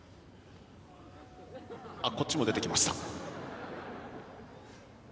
あっこっちも出てきました。